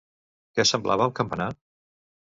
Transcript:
Què semblava el campanar?